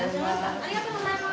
ありがとうございます。